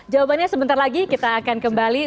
jawabannya sebentar lagi kita akan kembali